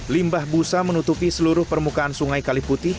limbah busa menutupi seluruh permukaan sungai kaliputi